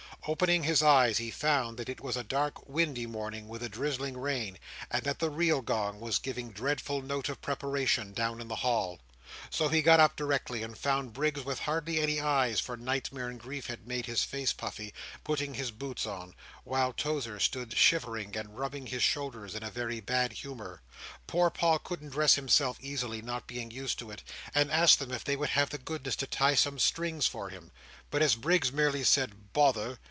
Opening his eyes, he found that it was a dark, windy morning, with a drizzling rain: and that the real gong was giving dreadful note of preparation, down in the hall. So he got up directly, and found Briggs with hardly any eyes, for nightmare and grief had made his face puffy, putting his boots on: while Tozer stood shivering and rubbing his shoulders in a very bad humour. Poor Paul couldn't dress himself easily, not being used to it, and asked them if they would have the goodness to tie some strings for him; but as Briggs merely said "Bother!"